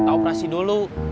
kita operasi dulu